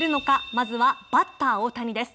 まずはバッター大谷です。